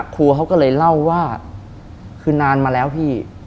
ครูเขาก็เลยเล่าว่าคือนานมาแล้วพี่